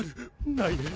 ないね。